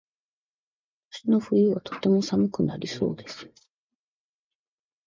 今年の冬はとても寒くなりそうです。